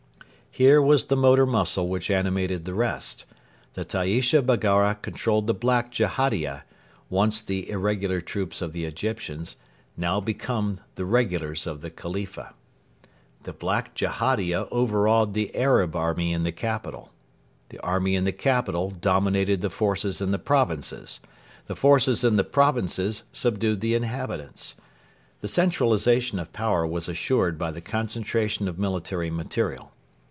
Here was the motor muscle which animated the rest. The Taaisha Baggara controlled the black Jehadia, once the irregular troops of the Egyptians, now become the regulars of the Khalifa. The black Jehadia overawed the Arab army in the capital. The army in the capital dominated the forces in the provinces. The forces in the provinces subdued the inhabitants. The centralisation of power was assured by the concentration of military material.